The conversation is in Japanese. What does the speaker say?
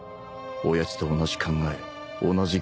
親父と同じ考え同じ言動